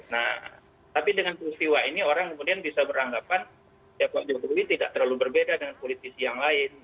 nah tapi dengan peristiwa ini orang kemudian bisa beranggapan ya pak jokowi tidak terlalu berbeda dengan politisi yang lain